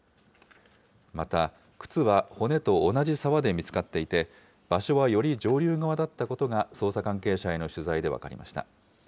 また、靴は骨と同じ沢で見つかっていて、場所はより上流側だったことが捜査関係者への取材で分かりました。